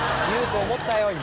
言うと思ったよ